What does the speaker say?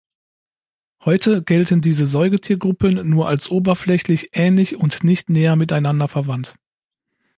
Heute gelten diese Säugetiergruppen nur als oberflächlich ähnlich und nicht näher miteinander verwandt.